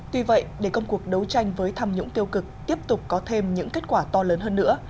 tuy vậy để công cuộc đấu tranh với tham nhũng tiêu cực tiếp tục có thêm những kết quả to lớn hơn nữa